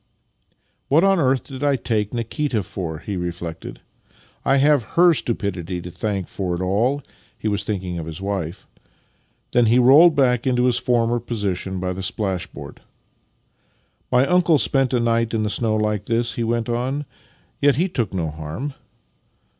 " What on earth did I take Nikita for? " he re flected. " I have her stupidity to thank for it all," (he was thinking of his wife). Then he rolled back into his former position by the splashboard. " My uncle spent a night in the snow like this," he went on, " yet he took no harm.